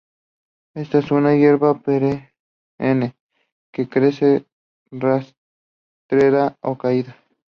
Esta es una hierba perenne que crece rastrera o caída.